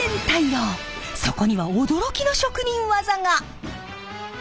そこには驚きの職人技が！